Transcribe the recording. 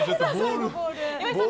岩井さん